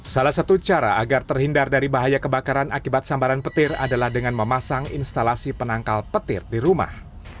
salah satu cara agar terhindar dari bahaya kebakaran akibat sambaran petir adalah dengan memasang instalasi penangkal petir di rumah